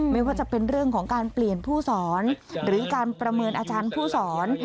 ไม่ว่าจะเป็นเรื่องของการเปลี่ยนผู้สอนหรือการประเมินอาจารย์ผู้สอน